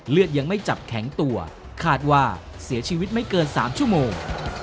เลือดยังไม่จับแข็งตัวคาดว่าเสียชีวิตไม่เกิน๓ชั่วโมง